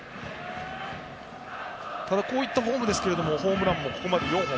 ただ、こういったフォームですがホームランがここまで４本。